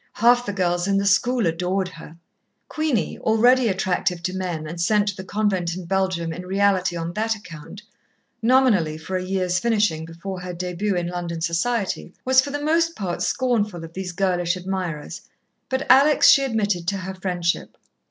Half the girls in the school adored her. Queenie, already attractive to men, and sent to the convent in Belgium in reality on that account, nominally for a year's finishing before her début in London society, was for the most part scornful of these girlish admirers, but Alex she admitted to her friendship.